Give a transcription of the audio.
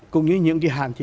cũng như những cái hàn chỉ